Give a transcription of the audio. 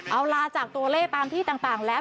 เอาลาจากตัวเลขตามที่ต่างแล้ว